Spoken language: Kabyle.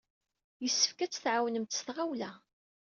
Yessefk ad t-tɛawnemt s tɣawla!